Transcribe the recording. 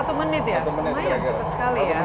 lumayan cepat sekali ya